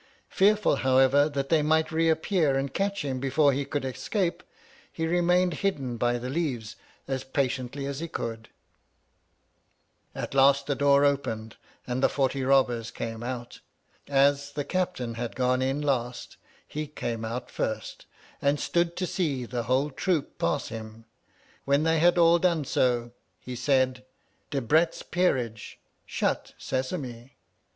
Fearful, however, that they might reappear and catch him before he could escape, he remained hidden by the leaves, as patiently as he could. At last the door opened, and the forty robbers came out. As the captain had gone in last, he came out first, and stood to see the whole troop pass him. When they had all done so, he said, Debrett's Peerage. Shut Sesame